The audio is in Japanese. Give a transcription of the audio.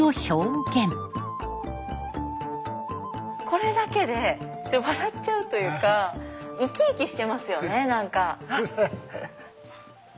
これだけで笑っちゃうというか生き生きしてますよね何か。